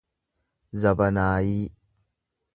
zabanaayii